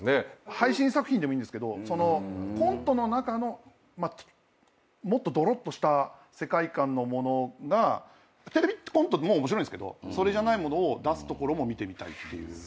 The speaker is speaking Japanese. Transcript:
配信作品でもいいんですけどコントの中のもっとどろっとした世界観のものがテレビコントも面白いんすけどそれじゃないものを出すところも見てみたいっていう。